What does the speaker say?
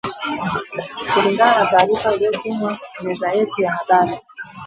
Kulingana na taarifa iliyotumwa meza yetu ya habari